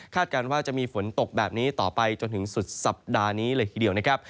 การว่าจะมีฝนตกแบบนี้ต่อไปจนถึงสุดสัปดาห์นี้เลยทีเดียวนะครับ